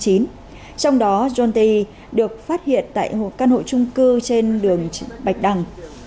trong đó john taiji được phát hiện tại một căn hộ trung cư trên đường bạch đằng